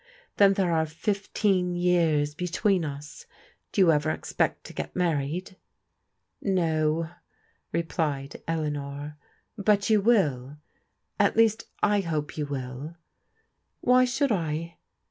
"Then there are fifteen years between us. Do you ever expect to get married? "" No," replied Eleanor. *' But you will ; at least, I hope you will." "Why should I?"